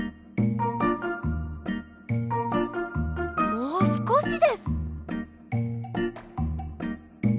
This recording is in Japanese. もうすこしです。